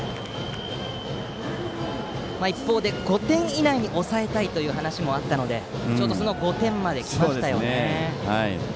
一方で５点以内に抑えたいという話もあったのでちょうどその５点まで来ました。